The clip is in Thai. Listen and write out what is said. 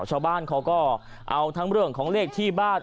ชาวบ้านเขาก็เอาทั้งเรื่องของเลขที่บ้าน